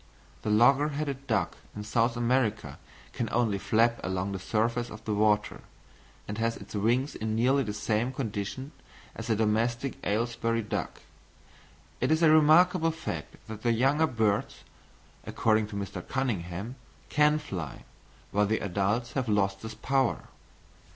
The logger headed duck of South America can only flap along the surface of the water, and has its wings in nearly the same condition as the domestic Aylesbury duck: it is a remarkable fact that the young birds, according to Mr. Cunningham, can fly, while the adults have lost this power.